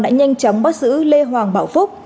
đã nhanh chóng bắt giữ lê hoàng bảo phúc